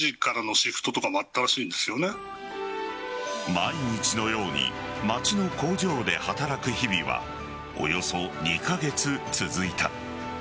毎日のように町の工場で働く日々はおよそ２カ月続いた。